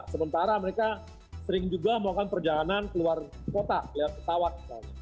sementara mereka sering juga melakukan perjalanan keluar kota lewat pesawat